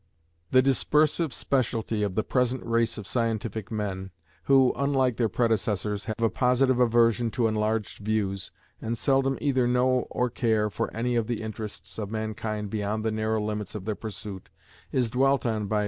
The "dispersive speciality" of the present race of scientific men, who, unlike their predecessors, have a positive aversion to enlarged views, and seldom either know or care for any of the interests of mankind beyond the narrow limits of their pursuit, is dwelt on by M.